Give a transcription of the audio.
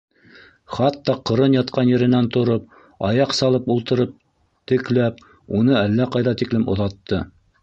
Хатта ҡырын ятҡан еренән тороп, аяҡ салып ултырып, текләп, уны әллә ҡайҙа тиклем оҙатты.